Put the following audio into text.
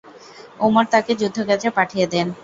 উমর তাকে যুদ্ধক্ষেত্রে পাঠিয়ে দেন।